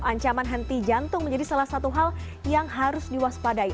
ancaman henti jantung menjadi salah satu hal yang harus diwaspadai